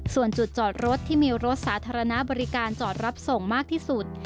ส่วนจุดจอดรถที่มีรถสาธารณะบริการจอดรับส่งมากที่สุด